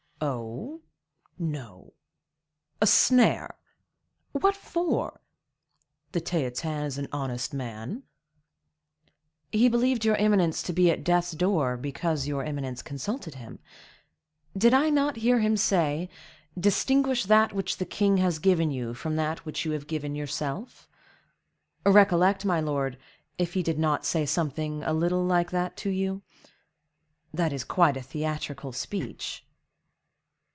"Oh! no; a snare? What for? The Theatin is an honest man." "He believed your eminence to be at death's door, because your eminence consulted him. Did I not hear him say—'Distinguish that which the king has given you from that which you have given yourself.' Recollect, my lord, if he did not say something a little like that to you?—that is quite a theatrical speech."